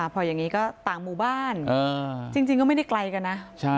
พออย่างนี้ก็ต่างหมู่บ้านจริงก็ไม่ได้ไกลกันนะ